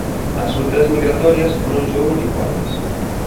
As rutas migratorias non son uniformes.